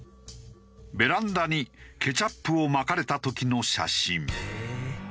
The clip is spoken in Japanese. ベランダにケチャップをまかれた時の写真。